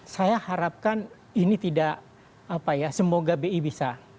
saya harapkan ini tidak apa ya semoga bi bisa